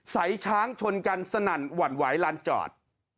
สายช้างชนกันสนั่นหวั่นไหวลานจอด